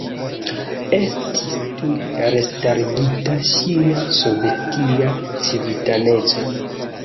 Estis tuj restarigita ŝia sovetia civitaneco.